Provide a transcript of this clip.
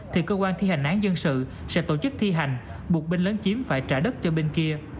thì cơ quan thi hành án dân sự sẽ tổ chức thi hành buộc binh lấn chiếm phải trả đất cho bên kia